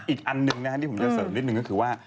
อีกอันหนึ่งนะครับที่ผมจะเสริมนิดนึงก็คือว่า